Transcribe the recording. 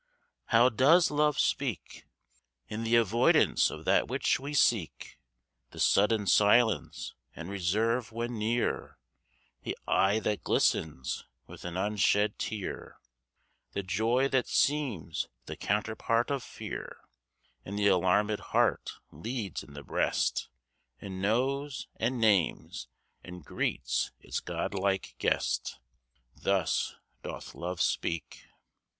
How does Love speak? In the avoidance of that which we seek The sudden silence and reserve when near; The eye that glistens with an unshed tear; The joy that seems the counterpart of fear, As the alarmed heart leads in the breast, And knows, and names, and greets its godlike guest: Thus doth Love speak.